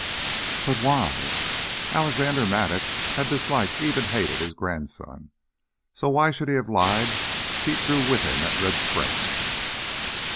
"But why?" Alexander Mattock had disliked, even hated his grandson. So why should he have lied to keep Drew with him at Red Springs?